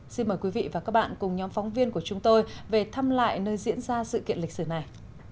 xin mời quý vị và các bạn cùng nhóm phóng viên của chúng tôi về thăm lại nơi diễn ra sự kiện lịch sử này